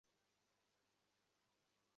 নক্ষত্রদের এ কী কাণ্ড!